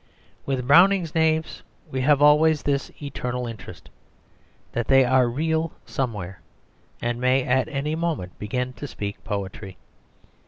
With Browning's knaves we have always this eternal interest, that they are real somewhere, and may at any moment begin to speak poetry.